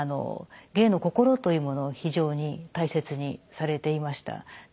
「芸の心」というものを非常に大切にされていました。